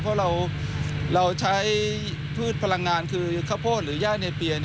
เพราะเราใช้พืชพลังงานคือข้าวโพดหรือย่าเนเปีย